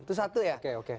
itu satu ya